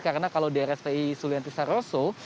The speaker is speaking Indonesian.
karena kalau di rspi sulianti saroso